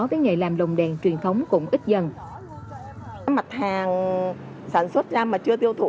mà làm người liệu